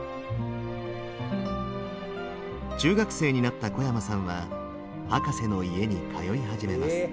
中学生になった小山さんは博士の家に通い始めます。